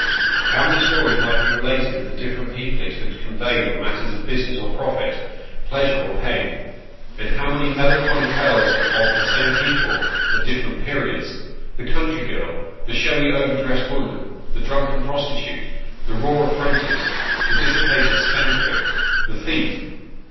How many stories might be related of the different people it had conveyed on matters of business or profit pleasure or pain ! And how many melancholy tales of the same people at different periods ! The country girl the showy, over dressed woman the drunken prostitute ! The raw apprentice the dissipated spendthrift the thief!